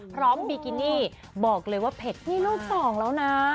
บิกินี่บอกเลยว่าเผ็ดนี่ลูกสองแล้วนะ